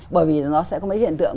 bởi vì nó sẽ có mấy hiện tượng